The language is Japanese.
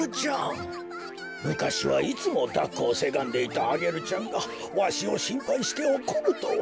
こころのこえむかしはいつもだっこをせがんでいたアゲルちゃんがわしをしんぱいしておこるとは。